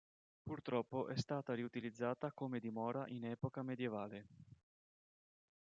Purtroppo è stata riutilizzata come dimora in epoca medievale.